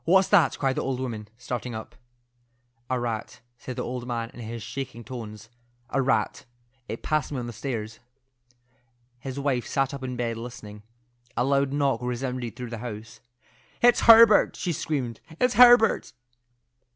"What's that?" cried the old woman, starting up. "A rat," said the old man in shaking tones—"a rat. It passed me on the stairs." His wife sat up in bed listening. A loud knock resounded through the house. "It's Herbert!" she screamed. "It's Herbert!"